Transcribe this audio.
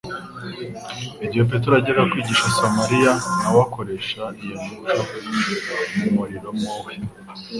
Igihe Petero yajyaga kwigisha i Samariya, na we akoresha iyo mico mu murimo we